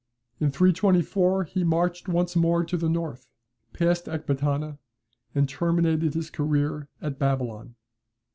In 324, he marched once more to the north, passed Ecbatana, and terminated his career at Babylon."